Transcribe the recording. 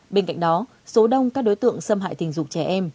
bên cạnh đó số đông các đối tượng xâm hại tình dục trẻ em